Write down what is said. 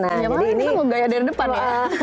ya malah ini mau gaya dari depan ya